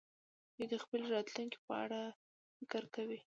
دوی د خپلې راتلونکې په اړه فکر کوي.